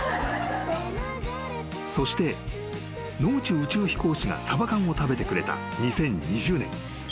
［そして野口宇宙飛行士がサバ缶を食べてくれた２０２０年］